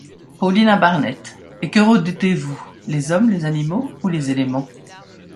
Paulina Barnett, et que redoutez-vous, les hommes, les animaux ou les éléments?